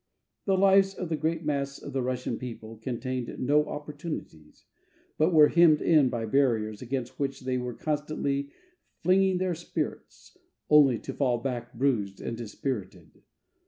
The lives of the great mass of the Russian people contained no opportunities, but were hemmed in by barriers against which they were constantly flinging their spirits, only to fall back bruised and dispirited.